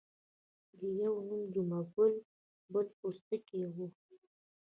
د یوه نوم جمعه ګل بل پستکی وو.